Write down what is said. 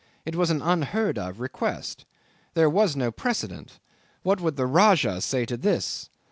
It was an unheard of request. There was no precedent. What would the Rajah say to this?